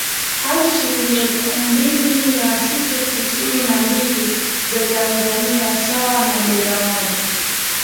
hadi shilingi elfu mbili mia sita tisini na mbili za Tanzania sawa na dola moja